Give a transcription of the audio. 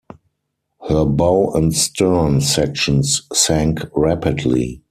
Her bow and stern sections sank rapidly.